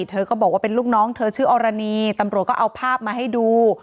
เธอก็บอกว่าเป็นลูกน้องเธอชื่ออรณีตำรวจก็เอาภาพมาให้ดู